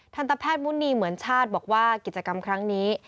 ทันตแพทย์มุณีเหมือนชาติบอกว่ากิจกรรมครั้งนี้